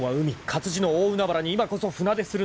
活字の大海原に今こそ船出するのだ］